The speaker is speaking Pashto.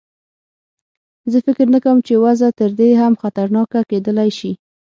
زه فکر نه کوم چې وضع تر دې هم خطرناکه کېدلای شي.